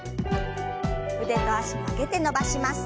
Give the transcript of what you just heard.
腕と脚曲げて伸ばします。